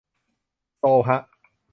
โซลฮะ